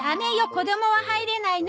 子供は入れないの。